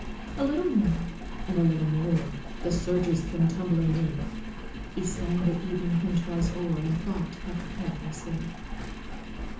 A little more, and a little more, The surges came tumbling in, He sang the evening hymn twice o'er, And thought of every sin!